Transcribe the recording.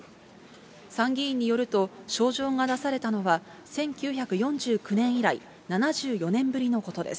参議院によると招状が出されたのは、１９４９年以来、７４年ぶりのことです。